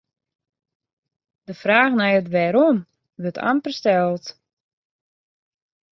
De fraach nei it wêrom wurdt amper steld.